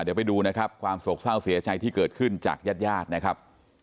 เดี๋ยวไปดูนะครับความโศกเศร้าเสียใจที่เกิดขึ้นจากญาติญาตินะครับ